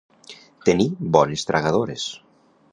Tenir bones tragadores.